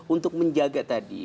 untuk menjaga tadi